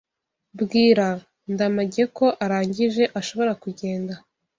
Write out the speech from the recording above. Bwira Ndamage ko arangije, ashobora kugenda.